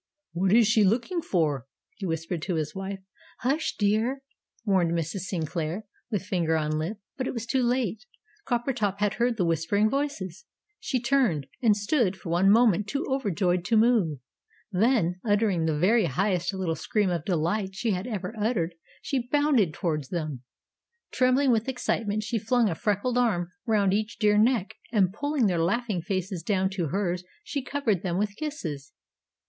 "What IS she looking for?" he whispered to his wife. "Hush, dear!" warned Mrs. Sinclair, with finger on lip. But it was too late. Coppertop had heard the whispering voices! She turned, and stood for one moment too overjoyed to move. Then, uttering the very highest little scream of delight she had ever uttered, she bounded towards them. Trembling with excitement, she flung a freckled arm round each dear neck, and, pulling their laughing faces down to hers, she covered them with kisses.